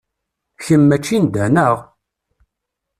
Kemm mačči n da, neɣ?